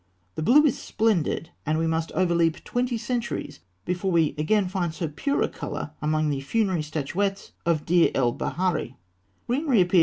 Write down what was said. The blue is splendid, and we must overleap twenty centuries before we again find so pure a colour among the funerary statuettes of Deir el Baharî.